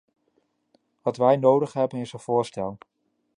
Wat wij nodig hebben is een voorstel.